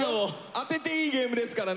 当てていいゲームですからね。